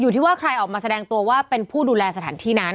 ที่ว่าใครออกมาแสดงตัวว่าเป็นผู้ดูแลสถานที่นั้น